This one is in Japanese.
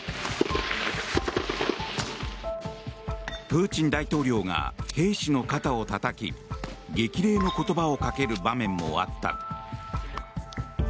プーチン大統領が兵士の肩をたたき激励の言葉をかける場面もあった。